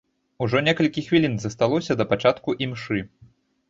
Ужо некалькі хвілін засталося да пачатку імшы.